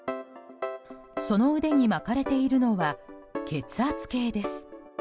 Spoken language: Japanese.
その腕に巻かれているのは血圧計です。